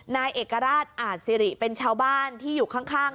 นายเอกราชอาจสิริเป็นชาวบ้านที่อยู่ข้าง